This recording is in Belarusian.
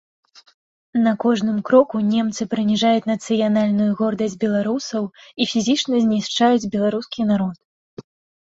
На кожным кроку немцы прыніжаюць нацыянальную гордасць беларусаў і фізічна знішчаюць беларускі народ.